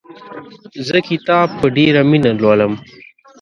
زه کتاب په ډېره مینه لولم.